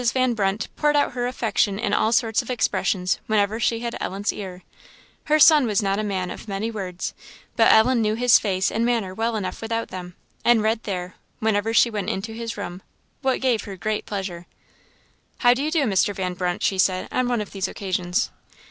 Van Brunt poured out her affection in all sorts of expressions whenever she had Ellen's ear; her son was not a man of many words; but Ellen knew his face and manner well enough without them, and read there, whenever she went into his room, what gave her great pleasure. "How do you do, Mr. Van Brunt?" she said, on one of these occasions.